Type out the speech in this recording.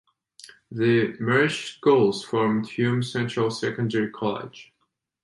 The merged schools formed Hume Central Secondary College.